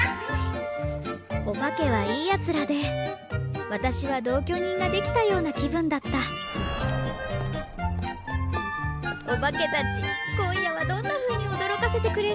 お化けはいいやつらで私は同居人ができたような気分だったお化けたち今夜はどんなふうにおどろかせてくれるかな？